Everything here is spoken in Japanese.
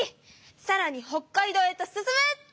「さらに北海道へと進む」。